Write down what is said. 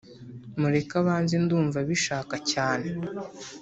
Mureke abanze ndumva abishaka cyane